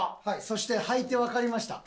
そしてはいてわかりました。